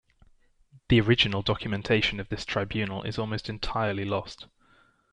The original documentation of this tribunal is almost entirely lost.